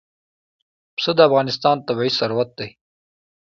پسه د افغانستان طبعي ثروت دی.